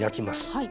はい。